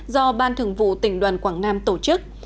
do ban thường vụ tỉnh đoàn quảng nam tổ chức